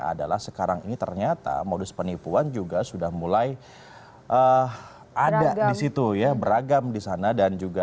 adalah sekarang ini ternyata modus penipuan juga sudah mulai ada di situ ya beragam di sana dan juga